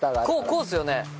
こうですよね？